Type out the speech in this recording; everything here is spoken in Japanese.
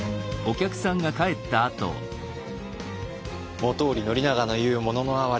本居宣長の言う「もののあはれ」。